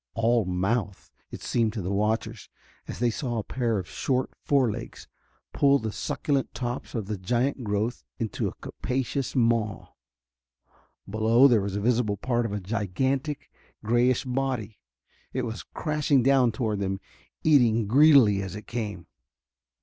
All mouth, it seemed to the watchers, as they saw a pair of short forelegs pull the succulent tops of the giant growth into a capacious maw. Below, there was visible a part of a gigantic, grayish body. It was crashing down toward them, eating greedily as it came.